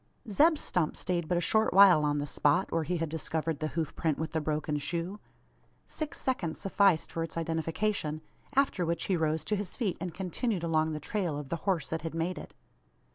Zeb Stump stayed but a short while on the spot, where he had discovered the hoof print with the broken shoe. Six seconds sufficed for its identification; after which he rose to his feet, and continued along the trail of the horse that had made it.